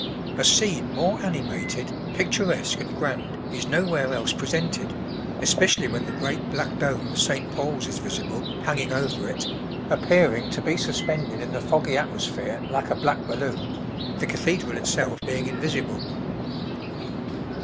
A scene more animated, picturesque, and grand is nowhere else presented, especially when the great black dome of St. Paul's is visible, hanging over it, appearing to be suspended in the foggy atmosphere like a black balloon, the cathedral itself being invisible.